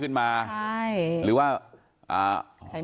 ซึ่งไม่ได้เจอกันบ่อย